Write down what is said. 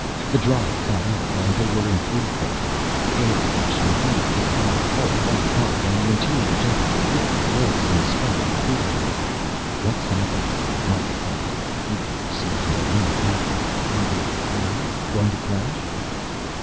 The drive cut out and they were in free fall. Air friction heated the outer hull white hot and the interior temperature quickly rose in spite of the cooling unit. "What's happening?" Mikah asked. "You seem to know more about this. Are we through going to crash?"